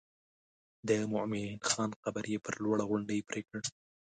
د مومن خان قبر یې پر لوړه غونډۍ پرېکړ.